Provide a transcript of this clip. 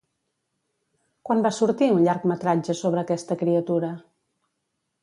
Quan va sortir un llargmetratge sobre aquesta criatura?